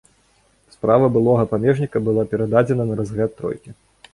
Справа былога памежніка была перададзена на разгляд тройкі.